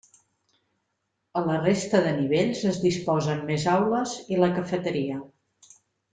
A la resta de nivells es disposen més aules i la cafeteria.